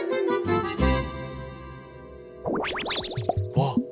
わっ。